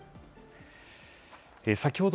先ほど、